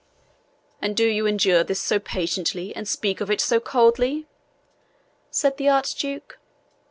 "And do you endure this so patiently, and speak of it so coldly?" said the Archduke.